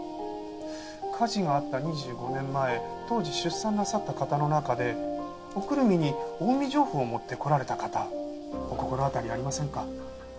火事があった２５年前当時出産なさった方の中でおくるみに近江上布を持ってこられた方お心当たりありませんか？